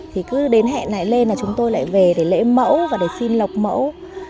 thì cứ đến hẹn này lên là chúng tôi lại về để lễ mẫu và để xin lọc mẫu